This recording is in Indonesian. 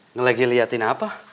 ngelagi liatin apa